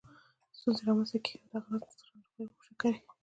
ستونزې رامنځته کېږي او دغه راز د زړه ناروغیو او شکرې